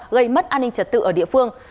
gây mất an ninh trật tự ở địa phương